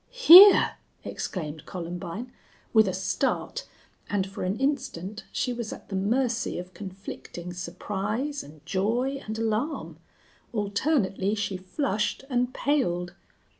"Here!" exclaimed Columbine, with a start, and for an instant she was at the mercy of conflicting surprise and joy and alarm. Alternately she flushed and paled.